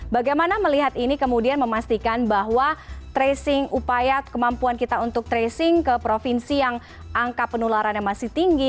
bagaimana melihat ini kemudian memastikan bahwa tracing upaya kemampuan kita untuk tracing ke provinsi yang angka penularannya masih tinggi